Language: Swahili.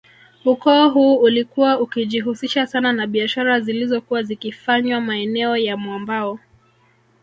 Ukoo huu ulikuwa ukijihusisha sana na biashara zilizokuwa zikifanywa maeneo ya mwambao